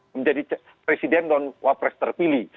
menjadi presiden dan wapres terpilih